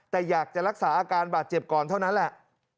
แต่อยากจะรักษาอาการบาดเจ็บก่อนเท่านั้นแหละ